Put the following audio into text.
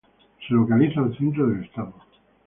Se localiza al centro del estado.